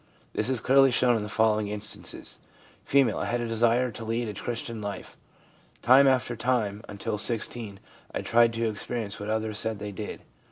This is clearly shown in the following instances : F. * I had a desire to lead a Christian life. Time after time, until 16, I tried to experience what others said they did.